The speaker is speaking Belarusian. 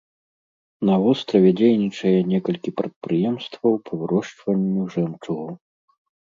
На востраве дзейнічае некалькі прадпрыемстваў па вырошчванню жэмчугу.